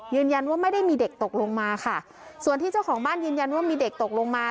ยืนยันว่าไม่ได้มีเด็กตกลงมาค่ะส่วนที่เจ้าของบ้านยืนยันว่ามีเด็กตกลงมา